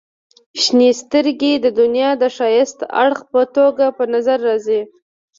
• شنې سترګې د دنیا د ښایسته اړخ په توګه په نظر راځي.